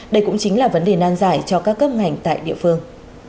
đây cũng chính là vấn đề nan giải cho các cấp ngành tại địa phương